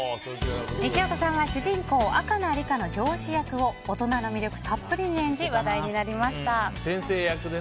西岡さんは主人公赤名リカの上司役を大人の魅力たっぷりに演じ話題になりました。